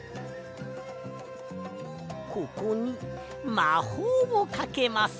ここにまほうをかけます。